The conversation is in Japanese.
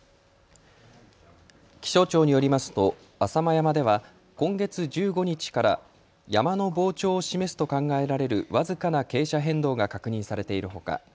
気象庁によりますと浅間山では今月１５日から山の膨張を示すと考えられる僅かな傾斜変動が確認されているほか